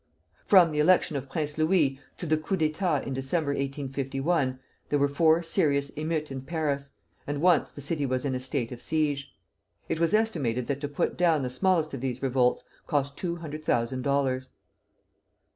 From the election of Prince Louis to the coup d'état in December, 1851, there were four serious émeutes in Paris, and once the city was in a state of siege. It was estimated that to put down the smallest of these revolts cost two hundred thousand dollars.